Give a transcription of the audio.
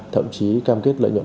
thậm chí cam kết lợi nhuận